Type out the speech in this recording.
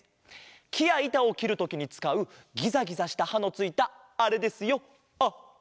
きやいたをきるときにつかうギザギザしたはのついたあれですよあれ！